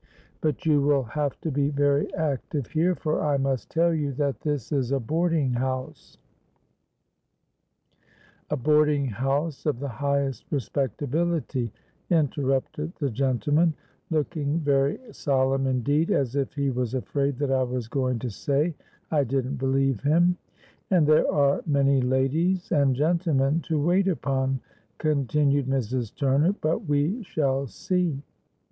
But you will have to be very active here, for I must tell you that this is a boarding house——'.—'A boarding house of the highest respectability,' interrupted the gentleman, looking very solemn indeed, as if he was afraid that I was going to say I didn't believe him.—'And there are many ladies and gentlemen to wait upon,' continued Mrs. Turner: 'but we shall see.'